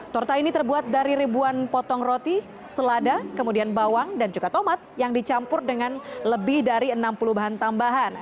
torta ini terbuat dari ribuan potong roti selada kemudian bawang dan juga tomat yang dicampur dengan lebih dari enam puluh bahan tambahan